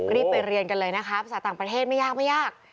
รีบไปเรียนกันเลยนะคะภาษาต่างประเทศไม่ยาก